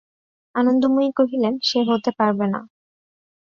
আনন্দময়ী কহিলেন, সে হতে পারবে না।